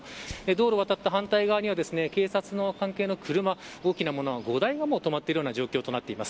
道路を渡った反対側には警察関係の車大きなもの５台が止まっている状況です。